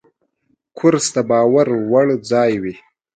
کورس د باور وړ ځای وي.